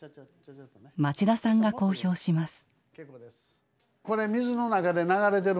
町田さんが講評します